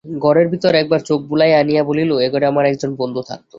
ঘরের ভিতর একবার চোখ বুলাইয়া আনিয়া বলিল, এঘরে আমার একজন বন্ধু থাকত।